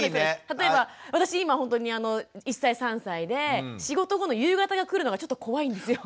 例えば私今ほんとに１歳３歳で仕事後の夕方が来るのがちょっと怖いんですよ。